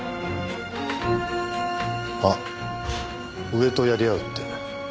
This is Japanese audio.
上とやり合うって。